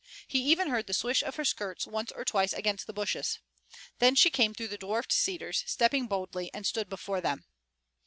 He even heard the swish of her skirts once or twice against the bushes. Then she came through the dwarfed cedars, stepping boldly, and stood before them.